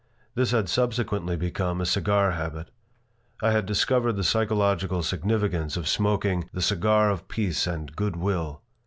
This had subsequently become a cigar habit. I had discovered the psychological significance of smoking "the cigar of peace and good will."